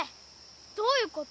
どういうこと？